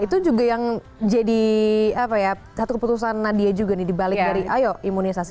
itu juga yang jadi satu keputusan nadia juga nih dibalik dari ayo imunisasi